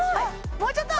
もうちょっと！